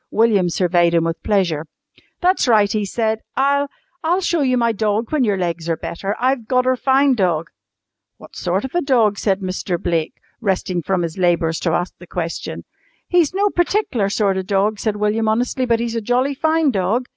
William surveyed him with pleasure. "That's right," he said. "I'll I'll show you my dog when your legs are better. I've gotter fine dog!" "What sort of a dog?" said Mr. Blake, resting from his labours to ask the question. "He's no partic'lar sort of a dog," said William honestly, "but he's a jolly fine dog.